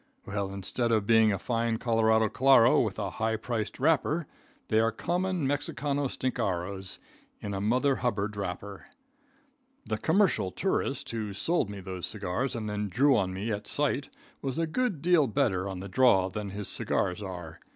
Well, instead of being a fine Colorado Claro with a high priced wrapper, they are common Mexicano stinkaros in a Mother Hubbard wrapper. The commercial tourist who sold me those cigars and then drew on me at sight was a good deal better on the draw than his cigars are.